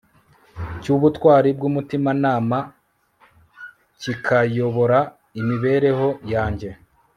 cyubutwari bwumutimanama kikayobora imibereho yanjye